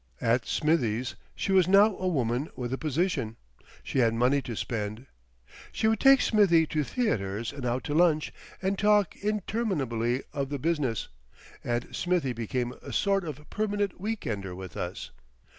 At Smithie's she was now a woman with a position; she had money to spend. She would take Smithie to theatres and out to lunch and talk interminably of the business, and Smithie became a sort of permanent weekender with us.